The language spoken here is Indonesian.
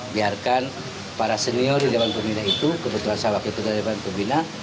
biarkan para senior di dewan pemina itu kebetulan saya wakil ke dewan pemina